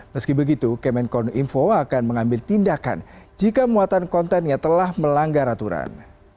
meski begitu kemenkon info akan mengambil tindakan jika muatan kontennya telah melanggar aturan